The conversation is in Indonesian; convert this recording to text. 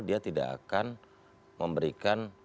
dia tidak akan memberikan